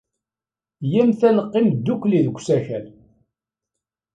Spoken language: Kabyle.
Iyyamt ad neqqim ddukkli deg usakal.